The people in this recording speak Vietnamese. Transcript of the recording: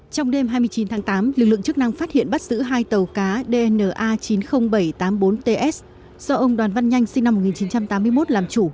trong đêm hai mươi chín tháng tám lực lượng chức năng phát hiện bắt giữ hai tàu cá dna chín mươi nghìn bảy trăm tám mươi bốn ts do ông đoàn văn nhanh sinh năm một nghìn chín trăm tám mươi một làm chủ